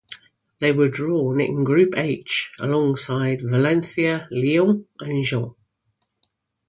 They were drawn in Group H alongside Valencia, Lyon and Gent.